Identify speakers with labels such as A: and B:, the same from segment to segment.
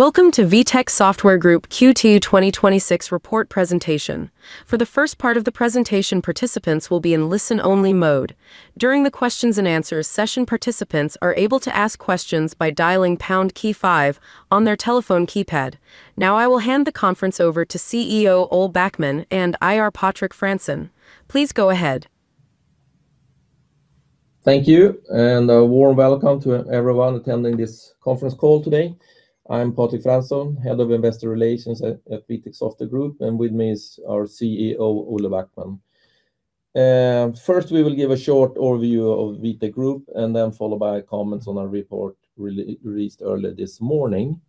A: Welcome to Vitec Software Group Q2 2026 report presentation. For the first part of the presentation, participants will be in listen-only mode. During the questions-and-answers session, participants are able to ask questions by dialing pound key five on their telephone keypad. I will hand the conference over to CEO Olle Backman and IR Patrik Fransson. Please go ahead.
B: Thank you, a warm welcome to everyone attending this conference call today. I'm Patrik Fransson, Head of Investor Relations at Vitec Software Group, and with me is our CEO, Olle Backman. First, we will give a short overview of Vitec Group followed by comments on our report released early this morning.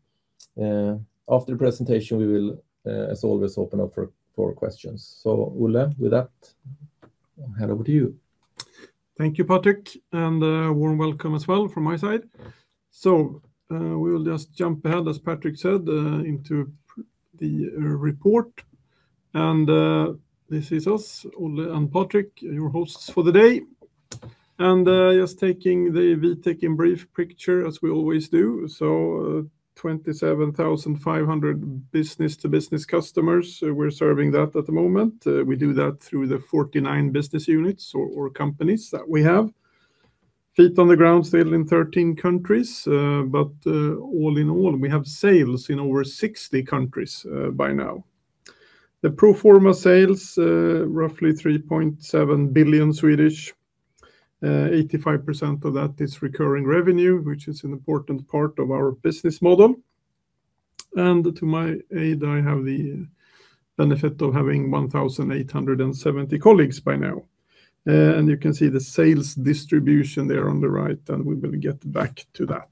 B: After the presentation, we will, as always, open up for questions. Olle, with that, hand over to you.
C: Thank you, Patrik, a warm welcome as well from my side. We will just jump ahead, as Patrik said, into the report. This is us, Olle and Patrik, your hosts for the day. Just taking the Vitec in brief picture, as we always do. 27,500 business-to-business customers, we're serving that at the moment. We do that through the 49 business units or companies that we have. Feet on the ground still in 13 countries. All in all, we have sales in over 60 countries by now. The pro forma sales, roughly 3.7 billion. 85% of that is recurring revenue, which is an important part of our business model. To my aid, I have the benefit of having 1,870 colleagues by now. You can see the sales distribution there on the right, we will get back to that.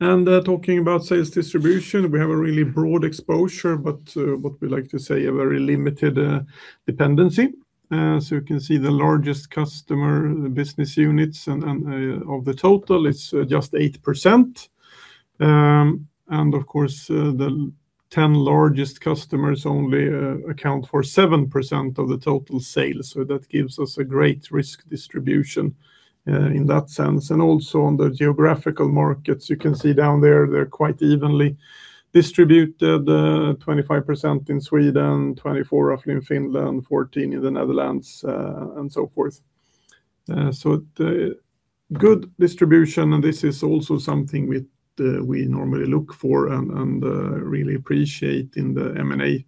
C: Talking about sales distribution, we have a really broad exposure, what we like to say, a very limited dependency. You can see the largest customer business units of the total, it's just 8%. Of course, the 10 largest customers only account for 7% of the total sales. That gives us a great risk distribution in that sense. Also on the geographical markets, you can see down there, they're quite evenly distributed, 25% in Sweden, 24% roughly in Finland, 14% in the Netherlands, and so forth. Good distribution, this is also something we normally look for and really appreciate in the M&A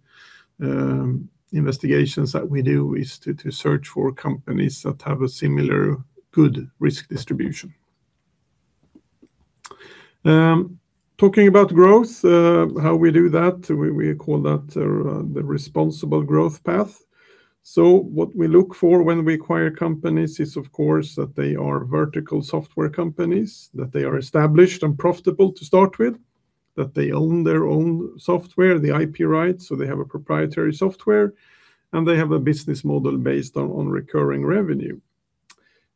C: investigations that we do is to search for companies that have a similar good risk distribution. Talking about growth, how we do that, we call that the responsible growth path. What we look for when we acquire companies is of course that they are vertical software companies, that they are established and profitable to start with, that they own their own software, the IP rights, so they have a proprietary software, and they have a business model based on recurring revenue.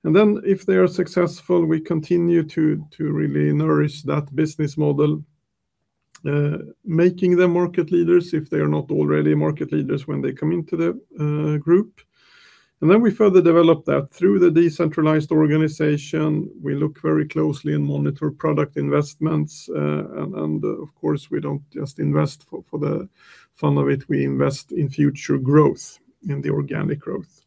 C: Then if they are successful, we continue to really nourish that business model, making them market leaders if they are not already market leaders when they come into the group. Then we further develop that through the decentralized organization. We look very closely and monitor product investments. Of course, we don't just invest for the fun of it. We invest in future growth, in the organic growth.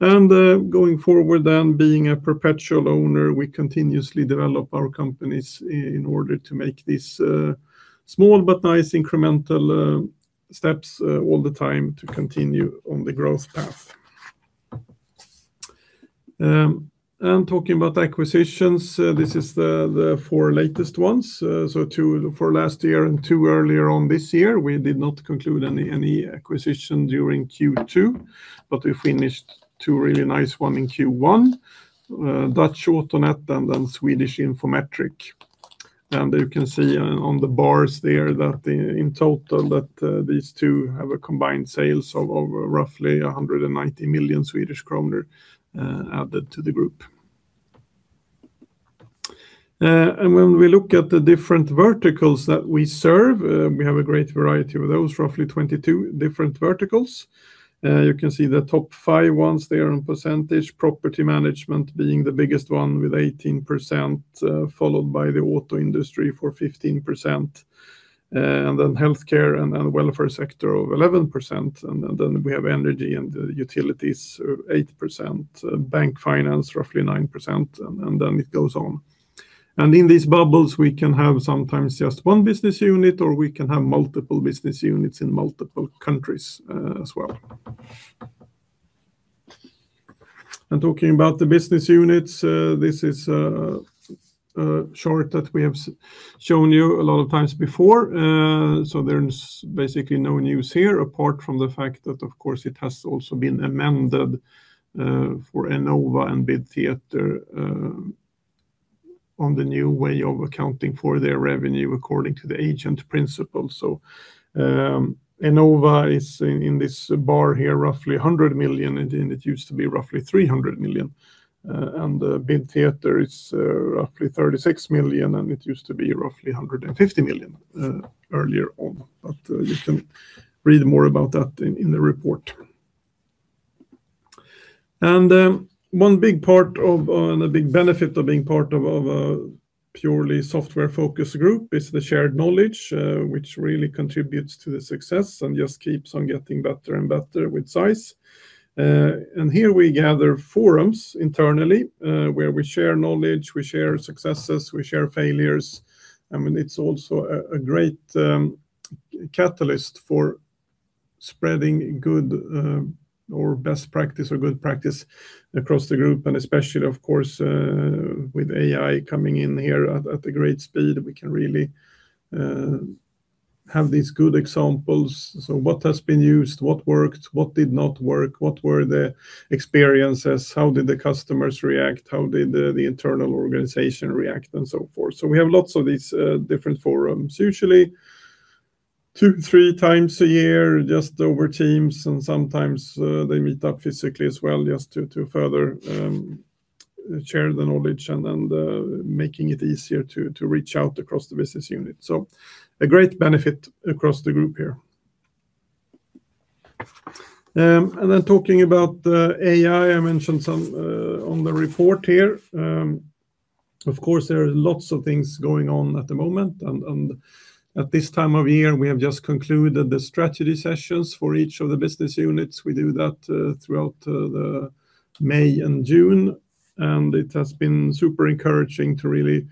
C: Going forward then being a perpetual owner, we continuously develop our companies in order to make these small but nice incremental steps all the time to continue on the growth path. Talking about acquisitions, this is the four latest ones. So two for last year and two earlier on this year. We did not conclude any acquisition during Q2, but we finished two really nice one in Q1, Dutch Autonet and then Swedish Infometric. You can see on the bars there that in total that these two have a combined sales of over roughly 190 million Swedish kronor added to the group. When we look at the different verticals that we serve, we have a great variety of those, roughly 22 different verticals. You can see the top five ones there in percentage, Property Management being the biggest one with 18%, followed by the Auto industry for 15%, and then Healthcare and Welfare sector of 11%, and then we have Energy and Utilities, 8%, Bank finance, roughly 9%, and then it goes on. In these bubbles, we can have sometimes just one business unit, or we can have multiple business units in multiple countries as well. Talking about the business units, this is a chart that we have shown you a lot of times before. So there's basically no news here apart from the fact that, of course, it has also been amended for Enova and BidTheatre on the new way of accounting for their revenue according to the agent principle. So Enova is in this bar here, roughly 100 million, and it used to be roughly 300 million. BidTheatre is roughly 36 million, and it used to be roughly 150 million earlier on. But you can read more about that in the report. One big part and a big benefit of being part of a purely software-focused group is the shared knowledge, which really contributes to the success and just keeps on getting better and better with size. Here we gather forums internally, where we share knowledge, we share successes, we share failures. It's also a great catalyst for spreading good or best practice or good practice across the group, and especially, of course, with AI coming in here at a great speed, we can really have these good examples. So what has been used? What worked? What did not work? What were the experiences? How did the customers react? How did the internal organization react, and so forth? We have lots of these different forums. Usually two to three times a year, just over Microsoft Teams, and sometimes they meet up physically as well just to further share the knowledge and making it easier to reach out across the business unit. a great benefit across the group here. Talking about AI, I mentioned some on the report here. There are lots of things going on at the moment. At this time of year, we have just concluded the strategy sessions for each of the business units. We do that throughout May and June. It has been super encouraging to really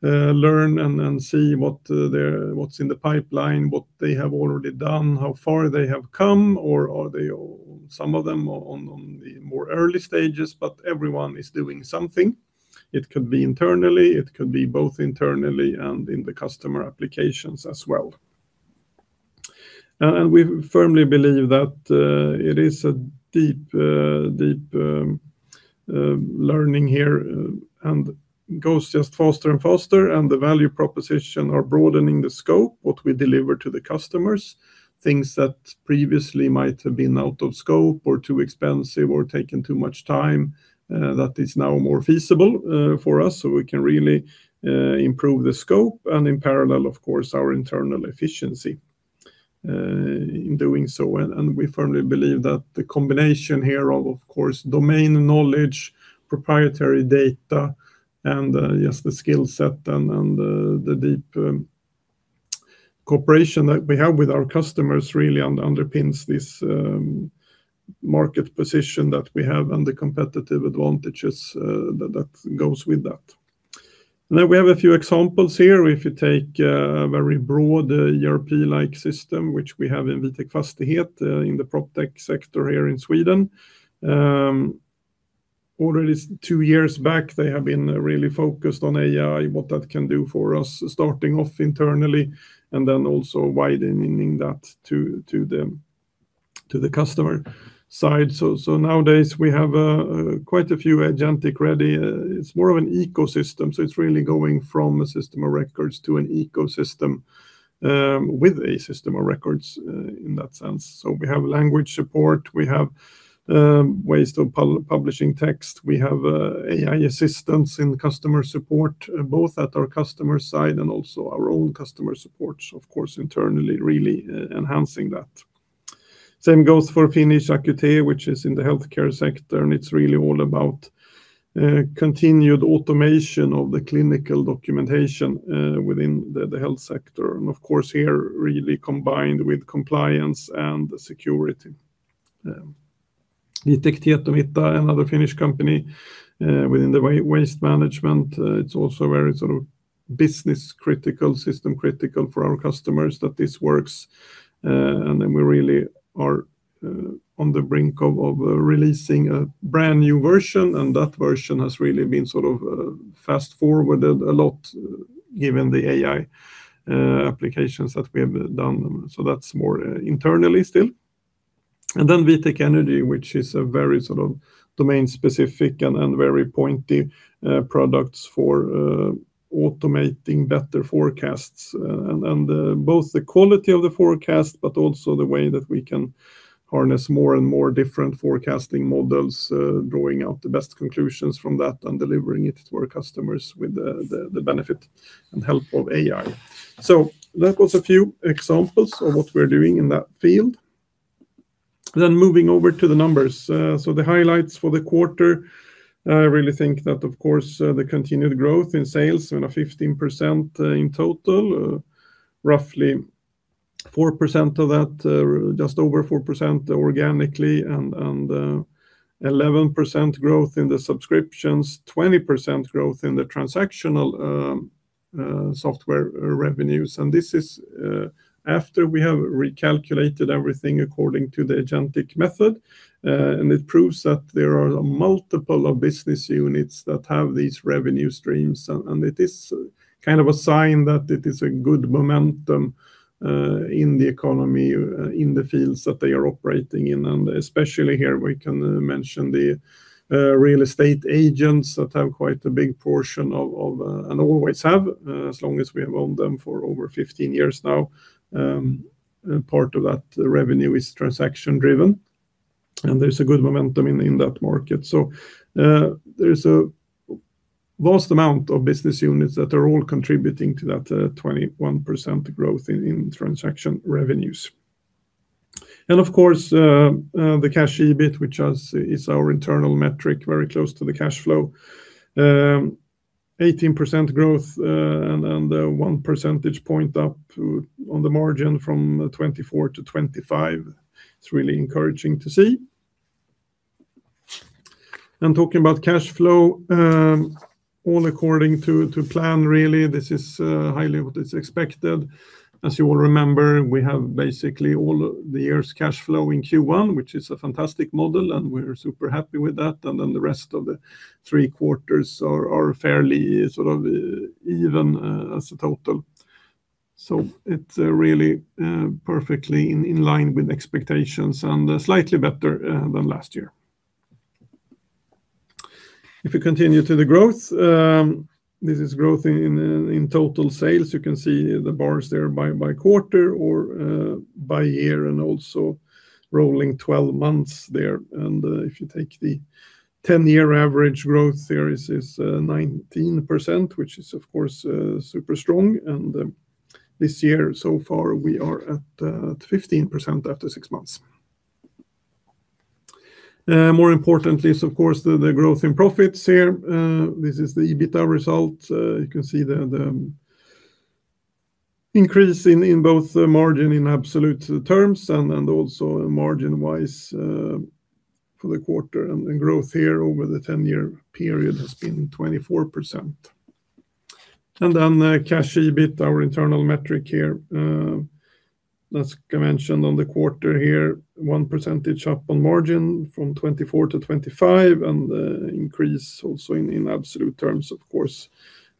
C: learn and see what's in the pipeline, what they have already done, how far they have come, or some of them are on the more early stages, but everyone is doing something. It could be internally. It could be both internally and in the customer applications as well. We firmly believe that it is a deep learning here and goes just faster and faster. The value proposition are broadening the scope, what we deliver to the customers. Things that previously might have been out of scope or too expensive or taken too much time, that is now more feasible for us, so we can really improve the scope and in parallel, of course, our internal efficiency in doing so. We firmly believe that the combination here of course, domain knowledge, proprietary data, and just the skill set and the deep cooperation that we have with our customers really underpins this market position that we have and the competitive advantages that goes with that. We have a few examples here. If you take a very broad ERP-like system, which we have in Vitec Fastighet in the PropTech sector here in Sweden. Already two years back, they have been really focused on AI, what that can do for us, starting off internally and then also widening that to the customer side. Nowadays, we have quite a few agentic ready. It's more of an ecosystem, so it's really going from a system of records to an ecosystem with a system of records in that sense. We have language support. We have ways of publishing text. We have AI assistance in customer support, both at our customer side and also our own customer support, of course, internally really enhancing that. Same goes for Vitec Acute, which is in the healthcare sector. It's really all about continued automation of the clinical documentation within the health sector. Of course, here, really combined with compliance and security. Vitec Tietomitta, another Finnish company within the waste management. It's also very business critical, system critical for our customers that this works. We really are on the brink of releasing a brand-new version. That version has really been fast-forwarded a lot given the AI applications that we have done. That's more internally still. Vitec Energy, which is a very domain-specific and very pointy products for automating better forecasts. Both the quality of the forecast, but also the way that we can harness more and more different forecasting models, drawing out the best conclusions from that and delivering it to our customers with the benefit and help of AI. That was a few examples of what we're doing in that field. Moving over to the numbers. The highlights for the quarter, I really think that, of course, the continued growth in sales and 15% in total. Roughly 4% of that, just over 4% organically, 11% growth in the subscriptions, 20% growth in the transactional software revenues. This is after we have recalculated everything according to the Agentic method. It proves that there are a multiple of business units that have these revenue streams. It is kind of a sign that it is a good momentum in the economy, in the fields that they are operating in. Especially here, we can mention the real estate agents that have quite a big portion and always have, as long as we have owned them for over 15 years now. Part of that revenue is transaction-driven, and there's a good momentum in that market. There is a vast amount of business units that are all contributing to that 21% growth in transaction revenues. Of course, the cash EBIT, which is our internal metric, very close to the cash flow. 18% growth and 1 percentage point up on the margin from 2024 to 2025. It's really encouraging to see. Talking about cash flow, all according to plan, really. This is highly what is expected. As you all remember, we have basically all the year's cash flow in Q1, which is a fantastic model, and we're super happy with that. The rest of the three quarters are fairly even as a total. It's really perfectly in line with expectations and slightly better than last year. If you continue to the growth, this is growth in total sales. You can see the bars there by quarter or by year and also rolling 12 months there. If you take the 10-year average growth there, it is 19%, which is, of course, super strong. This year so far, we are at 15% after six months. More importantly is, of course, the growth in profits here. This is the EBITA result. You can see the increase in both margin in absolute terms and also margin-wise for the quarter. Growth here over the 10-year period has been 24%. The cash EBIT, our internal metric here. As I mentioned on the quarter here, 1 percentage up on margin from 2024 to 2025, and increase also in absolute terms, of course,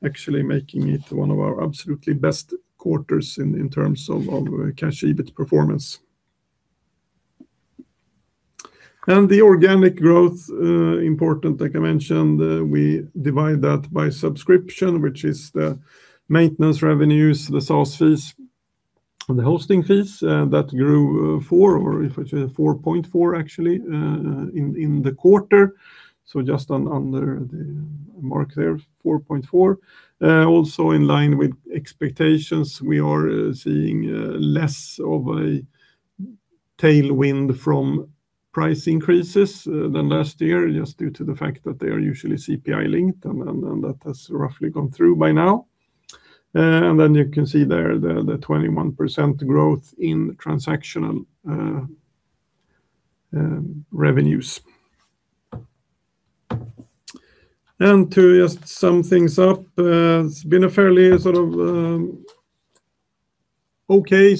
C: actually making it one of our absolutely best quarters in terms of cash EBIT performance. The organic growth, important, like I mentioned, we divide that by subscription, which is the maintenance revenues, the SaaS fees, and the hosting fees that grew 4% or 4.4% actually in the quarter. Just under the mark there, 4.4%. Also in line with expectations. We are seeing less of a tailwind from price increases than last year, just due to the fact that they are usually CPI linked, and that has roughly gone through by now. You can see there the 21% growth in transactional revenues. To just sum things up, it's been a fairly okay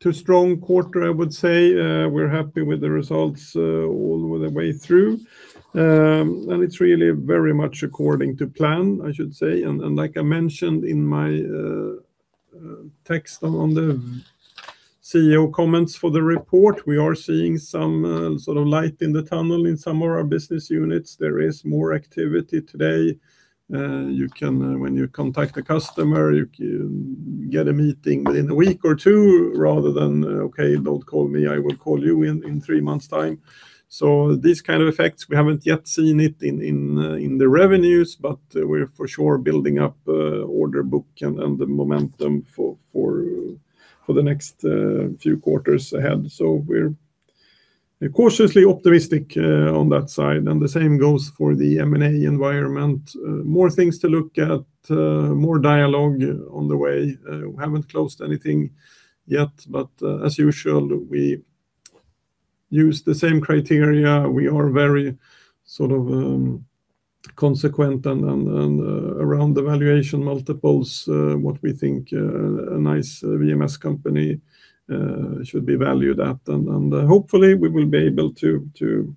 C: to strong quarter, I would say. We're happy with the results all the way through. It's really very much according to plan, I should say. Like I mentioned in my text on the CEO comments for the report, we are seeing some light in the tunnel in some of our business units. There is more activity today. When you contact a customer, you can get a meeting within a week or two rather than, okay, don't call me. I will call you in three months' time. These kind of effects, we haven't yet seen it in the revenues, but we're for sure building up order book and the momentum for the next few quarters ahead. We're cautiously optimistic on that side, and the same goes for the M&A environment. More things to look at, more dialogue on the way. We haven't closed anything yet, but as usual, we use the same criteria. We are very consequent and around the valuation multiples what we think a nice VMS company should be valued at. Hopefully, we will be able to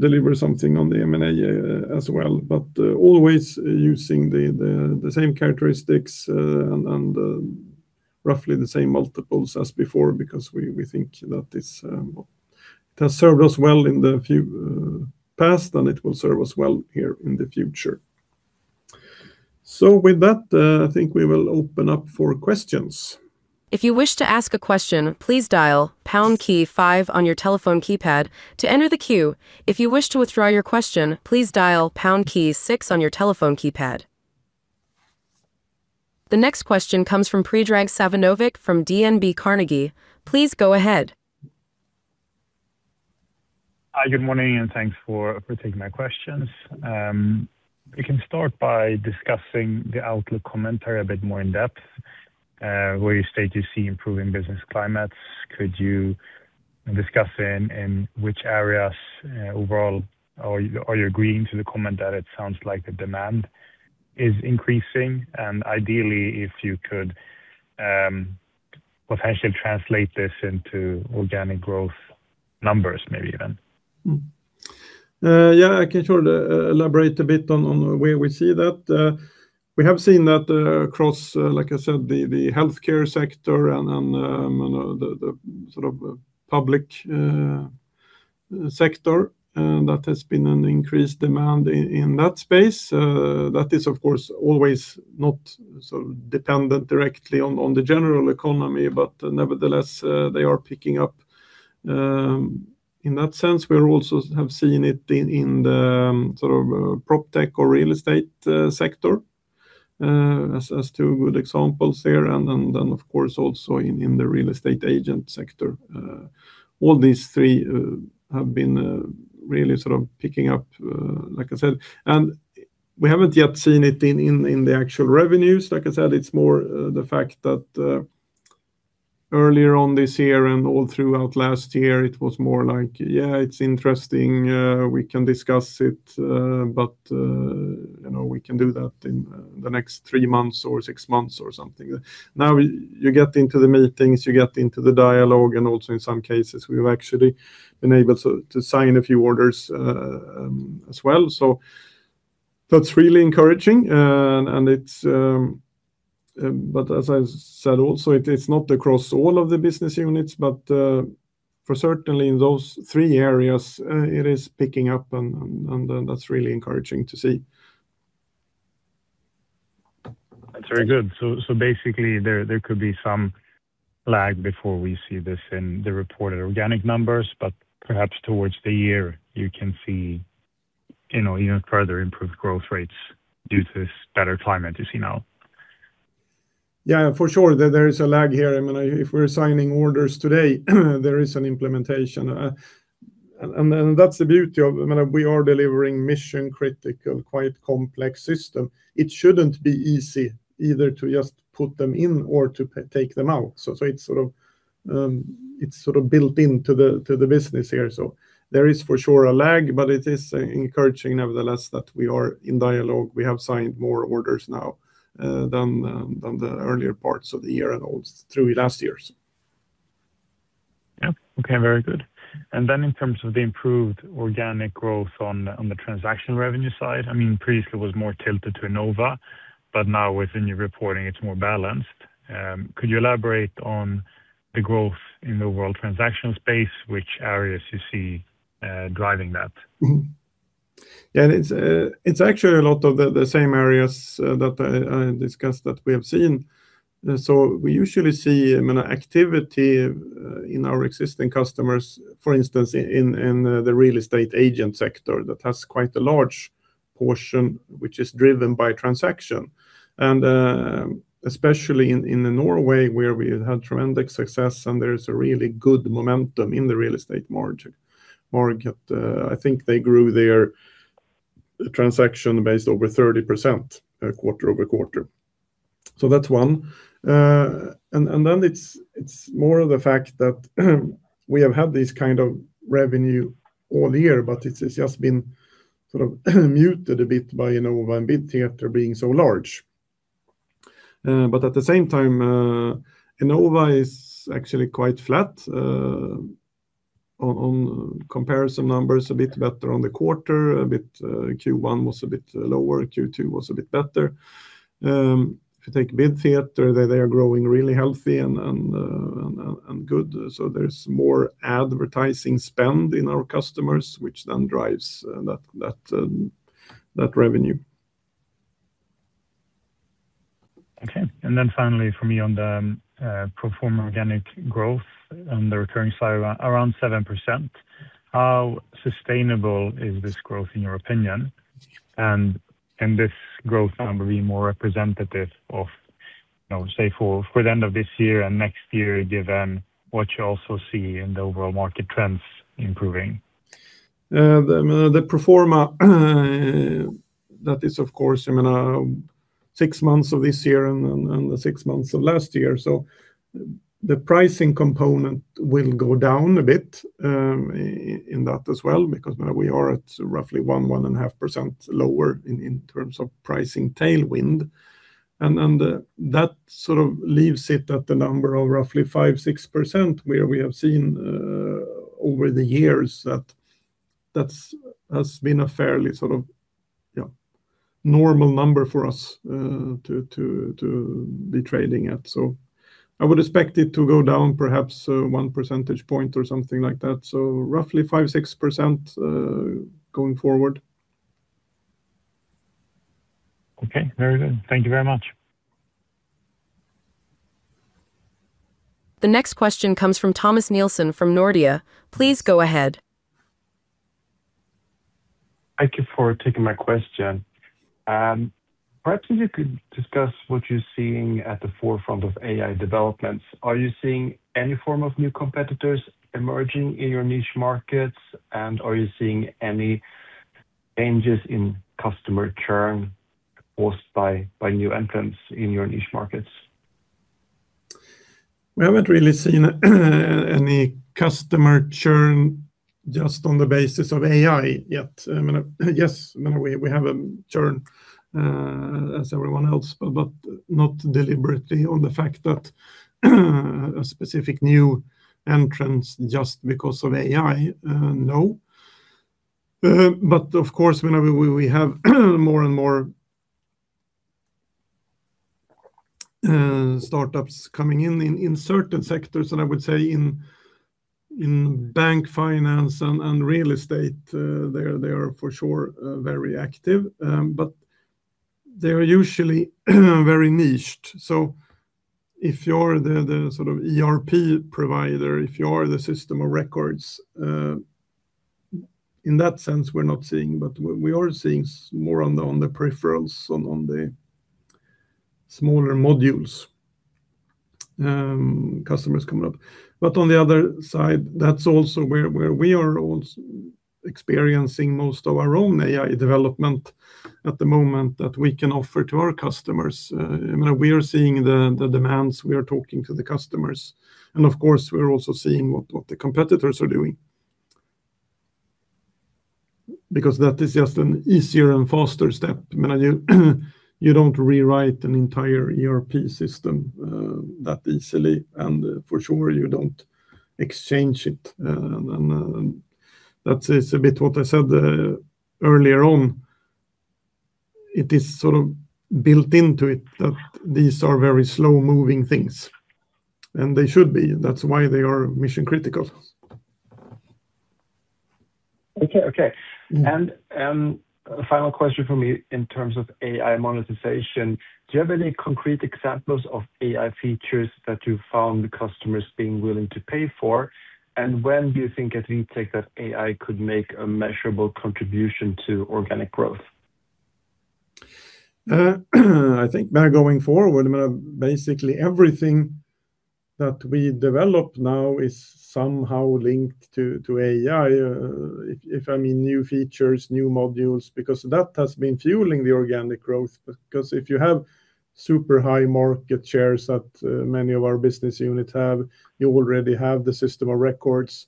C: deliver something on the M&A as well. Always using the same characteristics and roughly the same multiples as before because we think that it has served us well in the past, and it will serve us well here in the future. With that, I think we will open up for questions.
A: If you wish to ask a question, please dial pound key five on your telephone keypad to enter the queue. If you wish to withdraw your question, please dial pound key six on your telephone keypad. The next question comes from Predrag Savinovic from DNB Carnegie. Please go ahead.
D: Hi, good morning, and thanks for taking my questions. If we can start by discussing the outlook commentary a bit more in-depth, where you state you see improving business climates. Could you discuss in which areas overall, or are you agreeing to the comment that it sounds like the demand is increasing? Ideally, if you could potentially translate this into organic growth numbers, maybe even.
C: Yeah, I can elaborate a bit on where we see that. We have seen that across, like I said, the healthcare sector and the public sector, that has been an increased demand in that space. That is, of course, always not so dependent directly on the general economy, but nevertheless, they are picking up. In that sense, we also have seen it in the PropTech or real estate sector as two good examples there. Then, of course, also in the real estate agent sector. All these three have been really picking up, like I said. We haven't yet seen it in the actual revenues. Like I said, it's more the fact that earlier on this year and all throughout last year, it was more like, yeah, it's interesting. We can discuss it, but we can do that in the next three months or six months or something. Now you get into the meetings, you get into the dialogue, and also in some cases, we've actually been able to sign a few orders as well. That's really encouraging. As I said, also, it's not across all of the business units, but for certainly in those three areas, it is picking up and that's really encouraging to see.
D: That's very good. Basically, there could be some lag before we see this in the reported organic numbers, but perhaps towards the year you can see even further improved growth rates due to this better climate you see now.
C: Yeah, for sure. There is a lag here. If we're signing orders today, there is an implementation. That's the beauty of it. We are delivering mission-critical, quite complex system. It shouldn't be easy either to just put them in or to take them out. It's built into the business here. There is, for sure, a lag, but it is encouraging nevertheless that we are in dialogue. We have signed more orders now than the earlier parts of the year and all through last year.
D: Yeah. Okay. Very good. Then in terms of the improved organic growth on the transaction revenue side, previously it was more tilted to Enova, but now within your reporting it's more balanced. Could you elaborate on the growth in the overall transaction space, which areas you see driving that?
C: Mm-hmm. Yeah. It's actually a lot of the same areas that I discussed that we have seen. We usually see activity in our existing customers, for instance, in the real estate agent sector, that has quite a large portion, which is driven by transaction. Especially in Norway, where we have had tremendous success, and there is a really good momentum in the real estate market. I think they grew their transaction based over 30% quarter-over-quarter. That's one. Then it's more of the fact that we have had this kind of revenue all year, but it has just been sort of muted a bit by Enova and BidTheatre being so large. But at the same time, Enova is actually quite flat on comparison numbers, a bit better on the quarter. Q1 was a bit lower, Q2 was a bit better. If you take BidTheatre, they are growing really healthy and good. There's more advertising spend in our customers, which then drives that revenue.
D: Okay. Then finally from me on the pro forma organic growth on the recurring side, around 7%. How sustainable is this growth, in your opinion? This growth number being more representative of say for the end of this year and next year, given what you also see in the overall market trends improving.
C: The pro forma, that is, of course, six months of this year and the six months of last year. The pricing component will go down a bit in that as well, because we are at roughly 1%-1.5% lower in terms of pricing tailwind. That leaves it at the number of roughly 5%-6%, where we have seen over the years that that has been a fairly normal number for us to be trading at. I would expect it to go down perhaps 1 percentage point or something like that. Roughly 5%-6% going forward.
D: Okay. Very good. Thank you very much.
A: The next question comes from Thomas Nilsson from Nordea. Please go ahead.
E: Thank you for taking my question. Perhaps if you could discuss what you're seeing at the forefront of AI developments. Are you seeing any form of new competitors emerging in your niche markets? Are you seeing any changes in customer churn caused by new entrants in your niche markets?
C: We haven't really seen any customer churn just on the basis of AI yet. Yes, we have a churn, as everyone else, but not deliberately on the fact that a specific new entrance just because of AI. No. Of course, whenever we have more and more startups coming in in certain sectors, and I would say in bank finance and real estate, they are for sure very active. They are usually very niched. If you're the sort of ERP provider, if you are the system of records In that sense, we're not seeing, but we are seeing more on the peripherals, on the smaller modules customers coming up. On the other side, that's also where we are also experiencing most of our own AI development at the moment that we can offer to our customers. We are seeing the demands, we are talking to the customers, and of course, we're also seeing what the competitors are doing. That is just an easier and faster step. You don't rewrite an entire ERP system that easily, and for sure you don't exchange it. That is a bit what I said earlier on. It is sort of built into it that these are very slow-moving things, and they should be. That's why they are mission critical.
E: Okay. A final question from me in terms of AI monetization. Do you have any concrete examples of AI features that you've found customers being willing to pay for? When do you think at Vitec that AI could make a measurable contribution to organic growth?
C: I think by going forward, basically everything that we develop now is somehow linked to AI. If I mean new features, new modules, because that has been fueling the organic growth. If you have super high market shares that many of our business units have, you already have the system of records.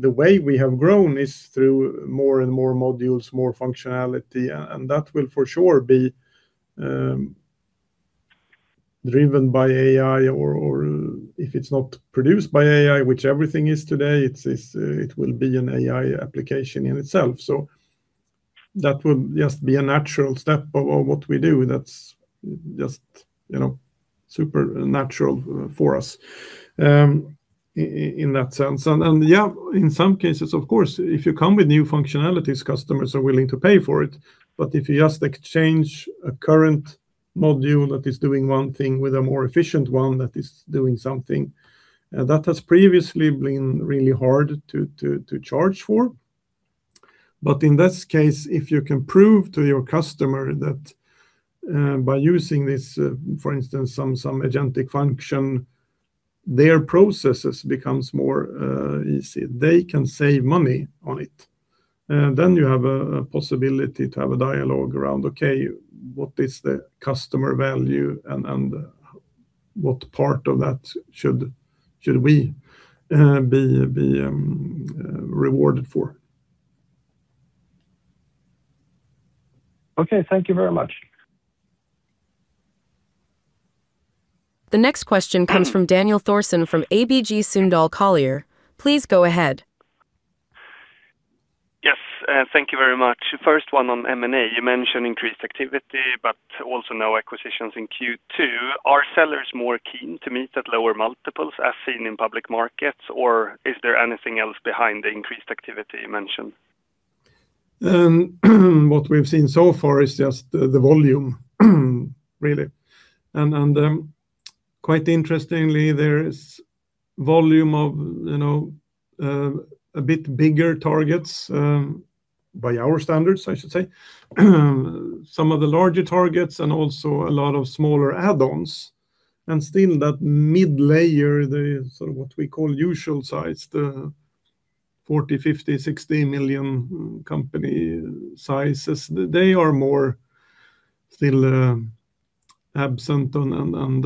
C: The way we have grown is through more and more modules, more functionality, and that will for sure be driven by AI, or if it's not produced by AI, which everything is today, it will be an AI application in itself. That will just be a natural step of what we do that's just super natural for us in that sense. Yeah, in some cases, of course, if you come with new functionalities, customers are willing to pay for it. If you just exchange a current module that is doing one thing with a more efficient one that is doing something, that has previously been really hard to charge for. In this case, if you can prove to your customer that by using this, for instance, some Agentic function, their processes becomes more easy, they can save money on it. You have a possibility to have a dialogue around, okay, what is the customer value and what part of that should we be rewarded for?
E: Okay. Thank you very much.
A: The next question comes from Daniel Thorsson from ABG Sundal Collier. Please go ahead.
F: Yes, thank you very much. First one on M&A. You mentioned increased activity, but also no acquisitions in Q2. Are sellers more keen to meet at lower multiples as seen in public markets, or is there anything else behind the increased activity you mentioned?
C: What we've seen so far is just the volume, really. Quite interestingly, there is volume of a bit bigger targets, by our standards, I should say. Some of the larger targets and also a lot of smaller add-ons. Still that mid-layer, the sort of what we call usual size, the 40 million, 50 million, 60 million company sizes. They are more still absent and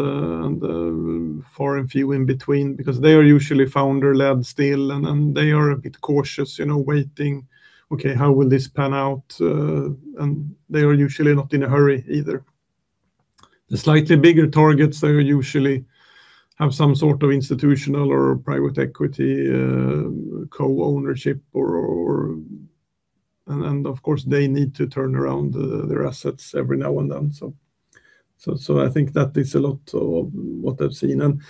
C: far and few in between because they are usually founder-led still, and they are a bit cautious, waiting. Okay, how will this pan out? They are usually not in a hurry either. The slightly bigger targets, they usually have some sort of institutional or private equity co-ownership. Of course, they need to turn around their assets every now and then. I think that is a lot of what I've seen, and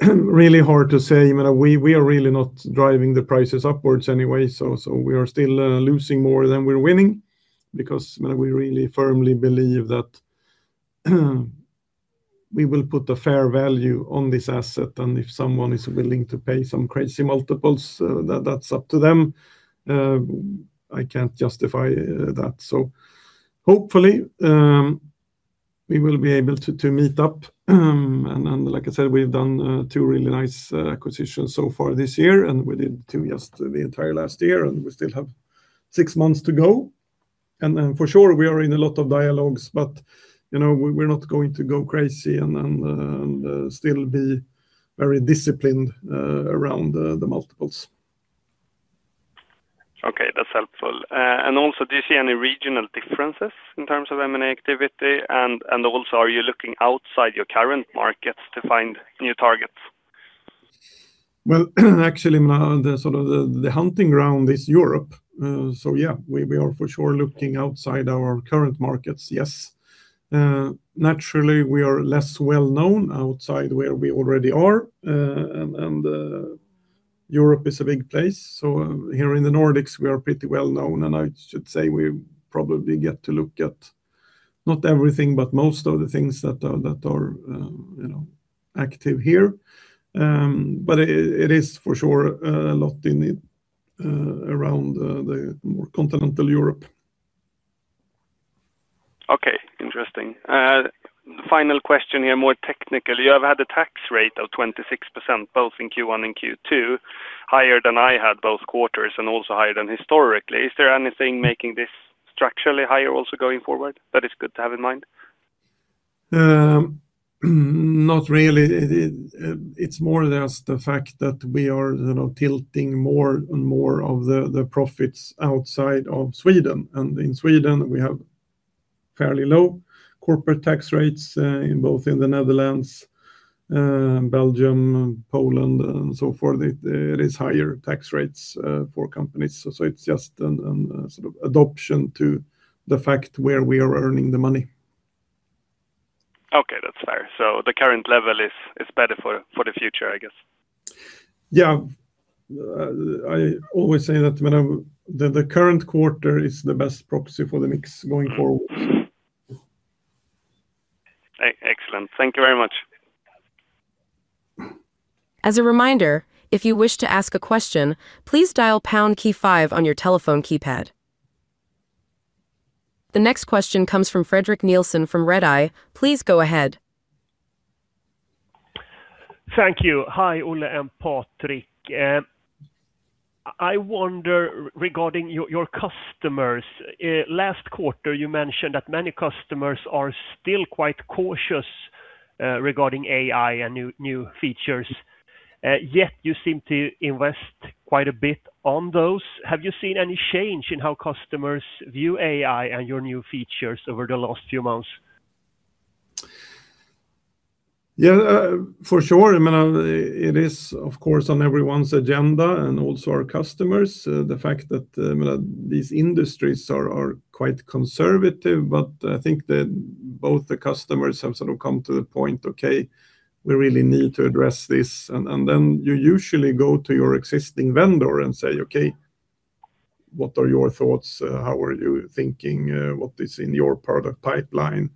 C: really hard to say. We are really not driving the prices upwards anyway, we are still losing more than we're winning because we really firmly believe that we will put a fair value on this asset, and if someone is willing to pay some crazy multiples, that's up to them. I can't justify that. Hopefully, we will be able to meet up. Like I said, we've done two really nice acquisitions so far this year, and we did two just the entire last year, and we still have six months to go. For sure, we are in a lot of dialogues, but we're not going to go crazy and still be very disciplined around the multiples.
F: Okay, that's helpful. Also, do you see any regional differences in terms of M&A activity? Also, are you looking outside your current markets to find new targets?
C: Well, actually, the hunting ground is Europe. Yeah, we are for sure looking outside our current markets, yes. Naturally, we are less well-known outside where we already are. Europe is a big place. Here in the Nordics, we are pretty well-known, and I should say we probably get to look at not everything, but most of the things that are active here. It is for sure a lot around the more continental Europe.
F: Okay, interesting. Final question here, more technical. You have had a tax rate of 26%, both in Q1 and Q2, higher than I had both quarters and also higher than historically. Is there anything making this structurally higher also going forward that is good to have in mind?
C: Not really. It's more just the fact that we are tilting more and more of the profits outside of Sweden. In Sweden, we have fairly low corporate tax rates. Both in the Netherlands, Belgium, Poland, and so forth, it is higher tax rates for companies. It's just an adoption to the fact where we are earning the money.
F: Okay, that's fair. The current level is better for the future, I guess.
C: Yeah. I always say that the current quarter is the best proxy for the mix going forward.
F: Excellent. Thank you very much.
A: As a reminder, if you wish to ask a question, please dial pound key five on your telephone keypad. The next question comes from Fredrik Nilsson from Redeye. Please go ahead.
G: Thank you. Hi, Olle and Patrik. I wonder regarding your customers. Last quarter, you mentioned that many customers are still quite cautious regarding AI and new features, yet you seem to invest quite a bit on those. Have you seen any change in how customers view AI and your new features over the last few months?
C: Yeah, for sure. It is, of course, on everyone's agenda and also our customers. The fact that these industries are quite conservative, I think that both the customers have come to the point, okay, we really need to address this. Then you usually go to your existing vendor and say, okay, what are your thoughts? How are you thinking? What is in your product pipeline?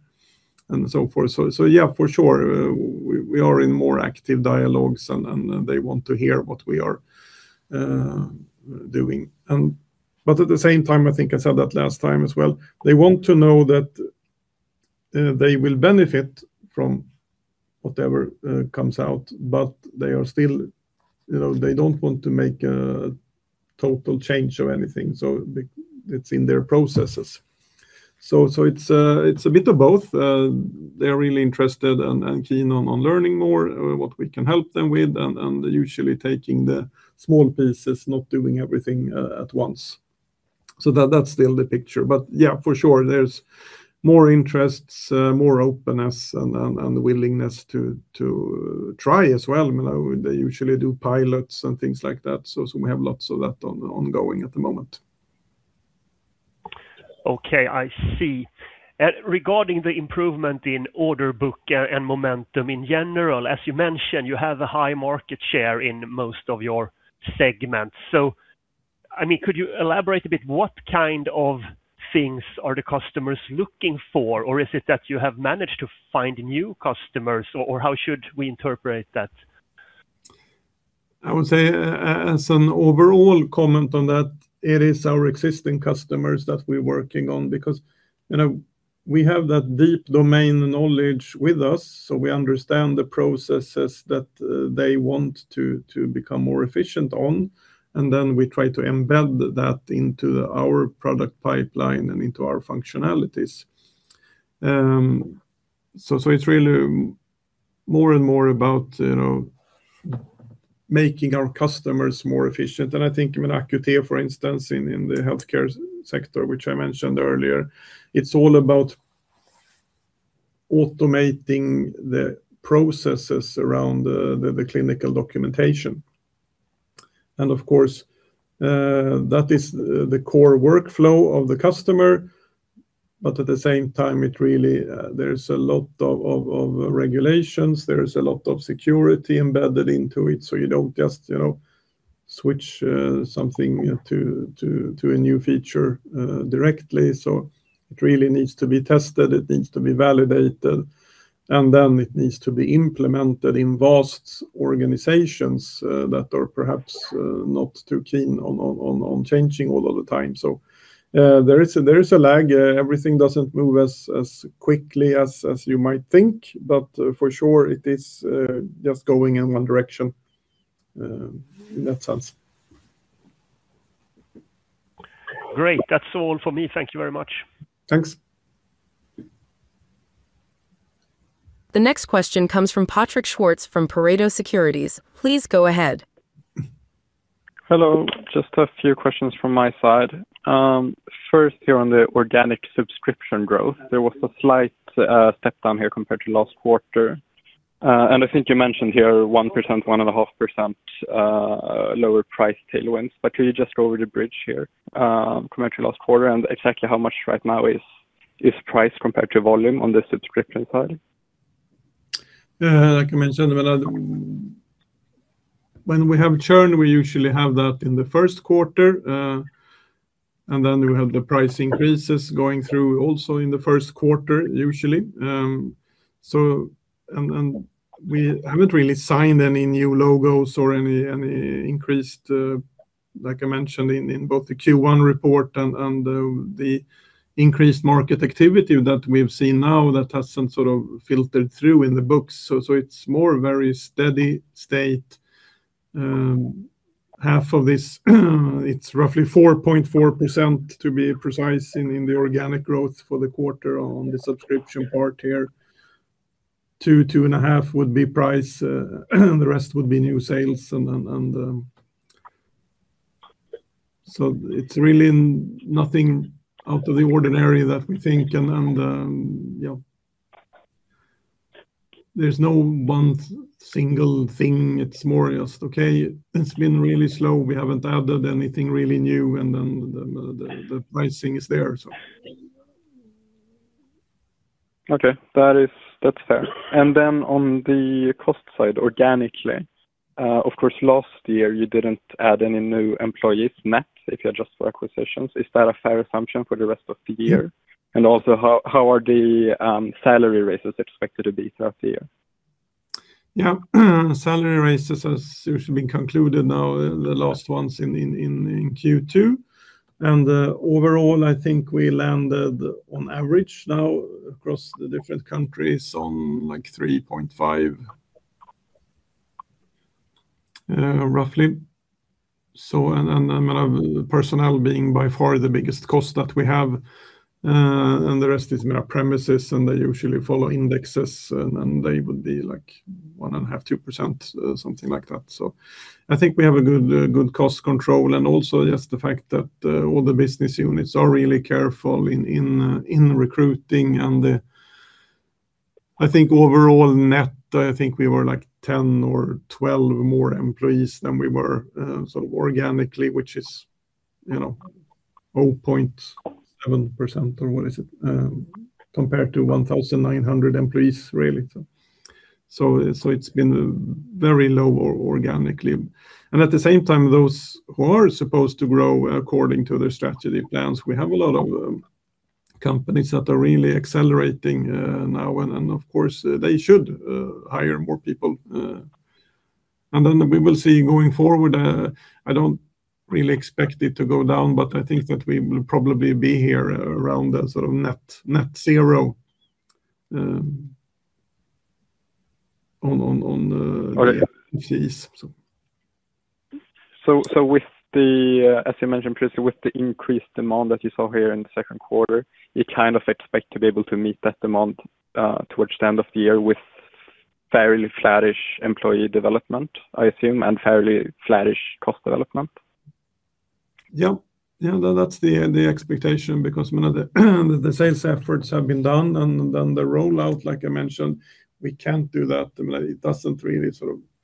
C: and so forth. Yeah, for sure, we are in more active dialogues, and they want to hear what we are doing. At the same time, I think I said that last time as well, they want to know that they will benefit from whatever comes out, but they don't want to make a total change of anything. It's in their processes. It's a bit of both. They are really interested and keen on learning more, what we can help them with, and usually taking the small pieces, not doing everything at once. That's still the picture. Yeah, for sure, there's more interests, more openness, and willingness to try as well. They usually do pilots and things like that. We have lots of that ongoing at the moment.
G: Okay, I see. Regarding the improvement in order book and momentum in general, as you mentioned, you have a high market share in most of your segments. Could you elaborate a bit what kind of things are the customers looking for? Or is it that you have managed to find new customers, or how should we interpret that?
C: I would say as an overall comment on that, it is our existing customers that we're working on because we have that deep domain knowledge with us, so we understand the processes that they want to become more efficient on, and then we try to embed that into our product pipeline and into our functionalities. It's really more and more about making our customers more efficient. I think with Vitec Acute, for instance, in the Healthcare sector, which I mentioned earlier, it's all about automating the processes around the clinical documentation. Of course, that is the core workflow of the customer. At the same time, there's a lot of regulations, there is a lot of security embedded into it, so you don't just switch something to a new feature directly. It really needs to be tested, it needs to be validated, and then it needs to be implemented in vast organizations that are perhaps not too keen on changing all of the time. There is a lag. Everything doesn't move as quickly as you might think, for sure, it is just going in one direction in that sense.
G: Great. That's all for me. Thank you very much.
C: Thanks.
A: The next question comes from Patrik Schwartz from Pareto Securities. Please go ahead.
H: Hello. Just a few questions from my side. First, here on the organic subscription growth, there was a slight step down here compared to last quarter. I think you mentioned here 1%-1.5% lower price tailwinds. Could you just go over the bridge here compared to last quarter, and exactly how much right now is price compared to volume on the subscription side?
C: When we have churn, we usually have that in the first quarter, and then we have the price increases going through also in the first quarter, usually. We haven't really signed any new logos or any increased, like I mentioned in both the Q1 report and the increased market activity that we've seen now that has some sort of filtered through in the books. It's more very steady state. Half of this, it's roughly 4.4% to be precise in the organic growth for the quarter on the subscription part here. 2%-2.5% would be price, the rest would be new sales. It's really nothing out of the ordinary that we think and, yeah. There's no one single thing. It's more just, okay, it's been really slow. We haven't added anything really new, and then the pricing is there.
H: Okay. That's fair. Then on the cost side, organically, of course, last year you didn't add any new employees net, if you adjust for acquisitions. Is that a fair assumption for the rest of the year? Also, how are the salary raises expected to be throughout the year?
C: Yeah. Salary raises has usually been concluded now, the last ones in Q2. Overall, I think we landed on average now across the different countries on 3.5%, roughly. Personnel being by far the biggest cost that we have, and the rest is premises, and they usually follow indexes, and they would be 1.5%-2%, something like that. I think we have a good cost control. Also just the fact that all the business units are really careful in recruiting. I think overall net, I think we were 10 or 12 more employees than we were, so organically, which is 0.7% or what is it, compared to 1,900 employees, really. It's been very low organically. At the same time, those who are supposed to grow according to their strategy plans, we have a lot of companies that are really accelerating now, and of course, they should hire more people. Then we will see going forward, I don't really expect it to go down, but I think that we will probably be here around net-zero on the employees.
H: As you mentioned previously, with the increased demand that you saw here in the second quarter, you kind of expect to be able to meet that demand towards the end of the year with fairly flattish employee development, I assume, and fairly flattish cost development?
C: Yeah. That's the expectation because the sales efforts have been done, and then the rollout, like I mentioned, we can't do that. It doesn't really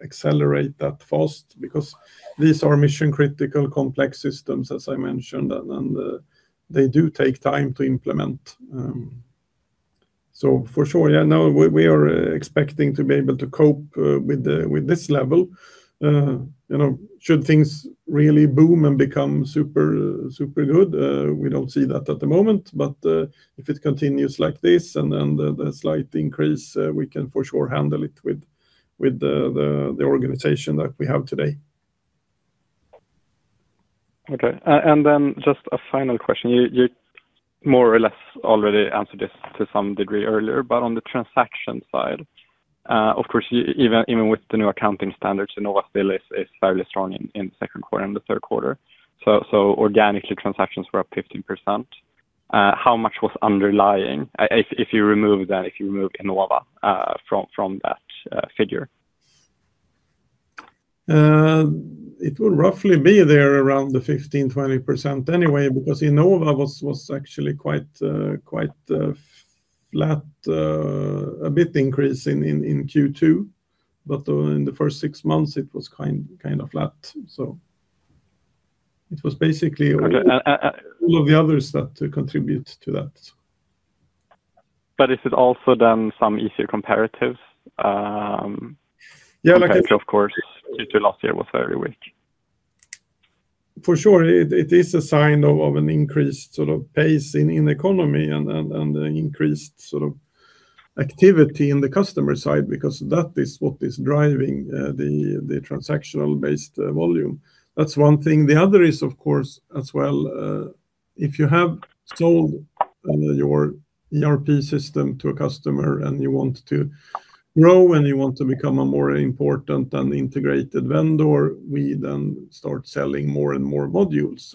C: accelerate that fast because these are mission-critical, complex systems, as I mentioned, and they do take time to implement. For sure, yeah, now we are expecting to be able to cope with this level. Should things really boom and become super good, we don't see that at the moment, but, if it continues like this and the slight increase, we can for sure handle it with the organization that we have today.
H: Okay. Then just a final question. You more or less already answered this to some degree earlier. On the transaction side, of course, even with the new accounting standards, Enova still is fairly strong in the second quarter and the third quarter. Organically, transactions were up 15%. How much was underlying if you remove that, if you remove Enova, from that figure?
C: It will roughly be there around the 15%-20% anyway, because Enova was actually quite flat. A bit increase in Q2, but in the first six months, it was kind of flat. It was basically.
H: Okay.
C: All of the others that contribute to that.
H: Is it also then some easier comparatives?
C: Yeah, like.
H: Which, of course, Q2 last year was very weak.
C: For sure. It is a sign of an increased pace in economy and an increased activity in the customer side, because that is what is driving the transactional-based volume. That's one thing. The other is, of course, as well, if you have sold your ERP system to a customer and you want to grow and you want to become a more important and integrated vendor, we then start selling more and more modules.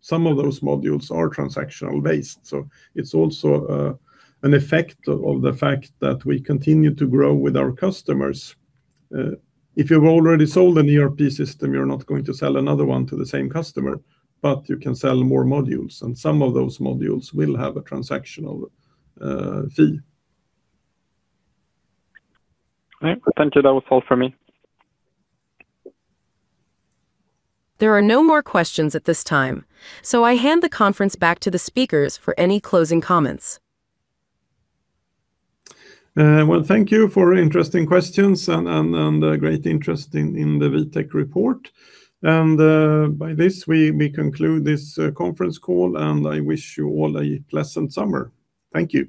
C: Some of those modules are transactional based. It's also an effect of the fact that we continue to grow with our customers. If you've already sold an ERP system, you're not going to sell another one to the same customer, but you can sell more modules, and some of those modules will have a transactional fee.
H: Okay. Thank you. That was all from me.
A: There are no more questions at this time. I hand the conference back to the speakers for any closing comments.
C: Well, thank you for interesting questions and great interest in the Vitec report. By this, we conclude this conference call, and I wish you all a pleasant summer. Thank you.